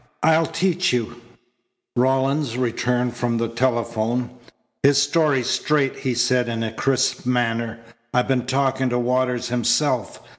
I'll teach you " Rawlins returned from the telephone. "His story's straight," he said in his crisp manner. "I've been talking to Waters himself.